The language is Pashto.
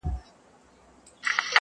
o که پر در دي د یار دغه سوال قبلېږي,